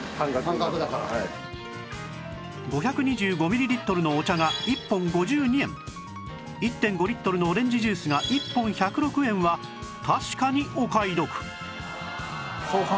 ５２５ミリリットルのお茶が１本５２円１．５ リットルのオレンジジュースが１本１０６円は確かにお買い得